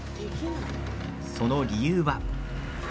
その理由は。